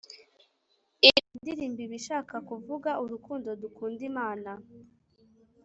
Iriya ndirimbo Iba ishaka kuvuga urukundo dukunda Imana